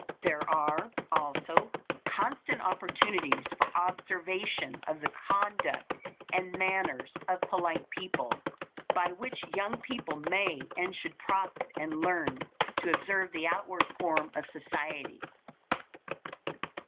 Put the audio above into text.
There are, also, constant opportunities for observation of the conduct and manners of polite people, by which young people may and should profit and learn to observe the outward forms of society.